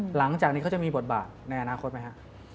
หลังจากนี้เขาจะมีบทบาทในอนาคตไหมฮะ